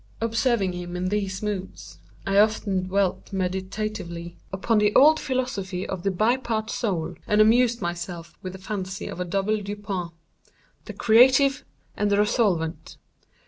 Observing him in these moods, I often dwelt meditatively upon the old philosophy of the Bi Part Soul, and amused myself with the fancy of a double Dupin—the creative and the resolvent.